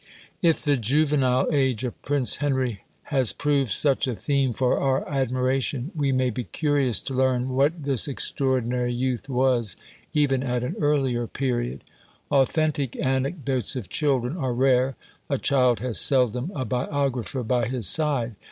If the juvenile age of Prince Henry has proved such a theme for our admiration, we may be curious to learn what this extraordinary youth was even at an earlier period. Authentic anecdotes of children are rare; a child has seldom a biographer by his side.